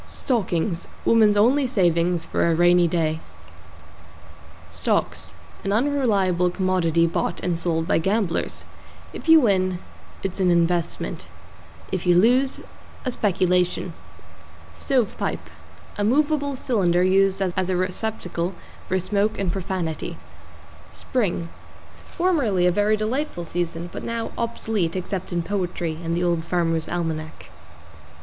=STOCKINGS= Woman's only savings for A Rainy Day. =STOCKS= An unreliable commodity bought and sold by gamblers. If you win, it's an investment; if you lose, a speculation. =STOVE PIPE= A movable cylinder used as a receptacle for smoke and profanity. =SPRING= Formerly a very delightful season but now obsolete except in poetry and the Old Farmer's Almanac.